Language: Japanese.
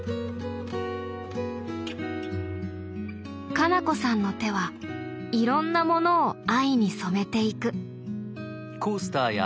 花菜子さんの手はいろんなものを藍に染めていく。